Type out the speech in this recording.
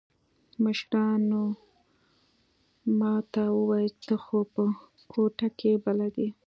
مشرانو ما ته وويل ته خو په کوټه کښې بلد يې.